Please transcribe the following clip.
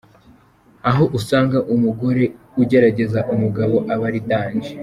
Aho usanga umugore ugerageza umugabo aba ari danger.